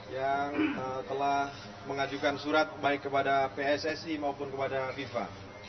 yang telah mengajukan surat baik kepada pssi maupun kepada fifa